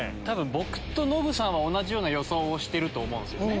僕とノブさんは同じような予想をしてると思うんすよね。